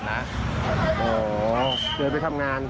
อ๋อเดินไปทำงาน